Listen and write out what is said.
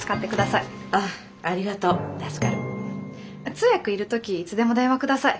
通訳要る時いつでも電話ください。